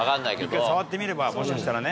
一回触ってみればもしかしたらね。